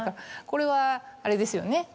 これはあれですよね。